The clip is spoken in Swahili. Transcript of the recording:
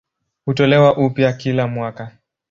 Hutolewa upya kila mwaka.